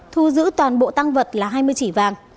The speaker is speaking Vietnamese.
thu giữ toàn bộ tăng vật là hai mươi chỉ vàng